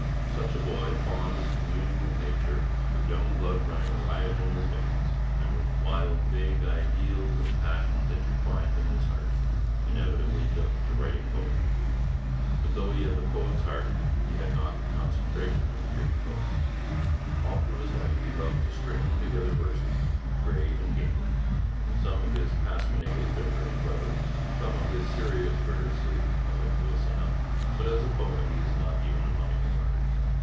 Such a boy, fond of communing with nature, with young blood running riot in his veins, and with wild vague ideals and passions intertwined in his heart, inevitably took to writing poetry. But though he had the poet's heart, he had not the concentration of the great poet. All through his life he loved to string together verses, grave and gay. Some of his pasquinades are very clever; some of his serious verse is mellifluous enough; but as a poet he is not even a minor bard.